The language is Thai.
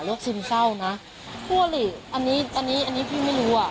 ซึมเศร้านะคู่อลิอันนี้อันนี้อันนี้พี่ไม่รู้อ่ะ